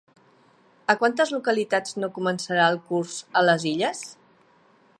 A quantes localitats no començarà el curs a les Illes?